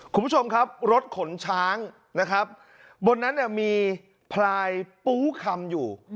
คุณผู้ชมครับรถขนช้างนะครับบนนั้นเนี่ยมีพลายปูคำอยู่